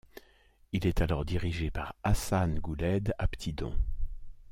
Il est alors dirigé par Hassan Gouled Aptidon.